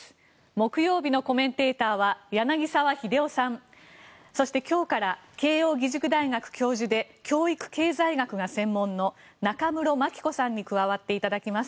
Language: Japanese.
木曜日のコメンテーターは柳澤秀夫さんそして今日から慶應義塾大学教授で教育経済学が専門の中室牧子さんに加わっていただきます。